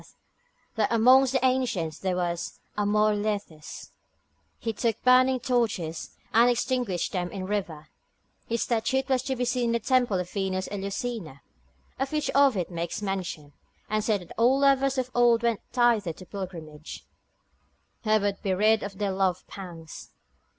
saith, that amongst the ancients there was Amor Lethes, he took burning torches, and extinguished them in the river; his statute was to be seen in the temple of Venus Eleusina, of which Ovid makes mention, and saith that all lovers of old went thither on pilgrimage, that would be rid of their love pangs.